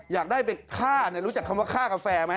อยากได้ไปฆ่ารู้จักคำว่าข้ากาแฟไหม